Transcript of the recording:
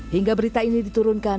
hingga berita ini diturunkan